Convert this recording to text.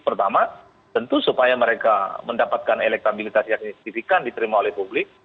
pertama tentu supaya mereka mendapatkan elektabilitas yang signifikan diterima oleh publik